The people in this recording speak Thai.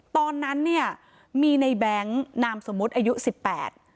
ตอนนั้นเนี่ยมีในแบงค์นามสมมุติอายุสิบแปด